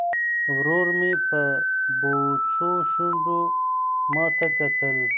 ورور مې په بوڅو شونډو ماته کتل.